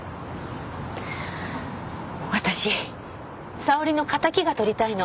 私沙織の敵がとりたいの。